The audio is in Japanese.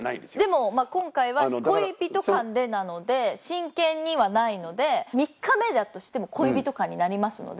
でも今回は「恋人間で」なので「真剣に」はないので３日目だとしても恋人間になりますので。